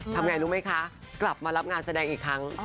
ทำไงรู้ไหมคะกลับมารับงานแสดงอีกครั้ง